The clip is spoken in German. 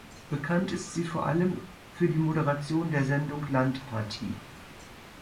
Bekannt ist sie vor allem für die Moderation der Sendung "Landpartie".